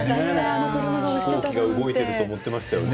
飛行機が動いていると思って乗っていますよね。